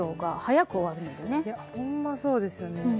やほんまそうですよね。